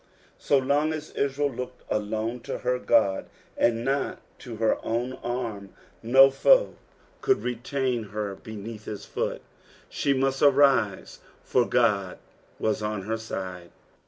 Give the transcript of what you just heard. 8o long as Israel looked alone to her God, and not to her own ana, no foe could retain her beneath his foot ; she mtut arise, for Ood was on her side.